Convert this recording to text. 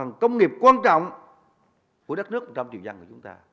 nền công nghiệp quan trọng của đất nước trong triều dân của chúng ta